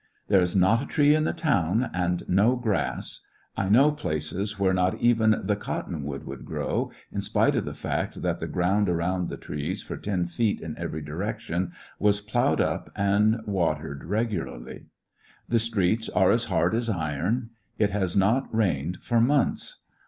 "There is not a tree in the town^and uo grass (I know places where not even the cot 117 i ^ecoUections of a tonwood would grow, in spite of the fact that the ground around the trees for ten feet in every direction was ploughed up and watered regularly). The streets are as hard as iron j it has not rained for months.